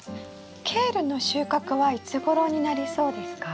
ケールの収穫はいつごろになりそうですか？